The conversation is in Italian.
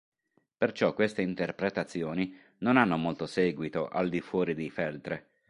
Perciò queste interpretazioni non hanno molto seguito al di fuori di Feltre.